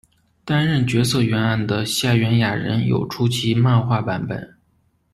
担任角色原案的夏元雅人有出其漫画版本。